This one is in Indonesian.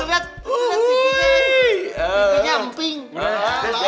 lihat lihat si putih